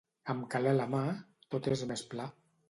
Amb calé a la mà, tot és més pla.